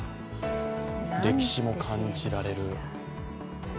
歴史も感じられる。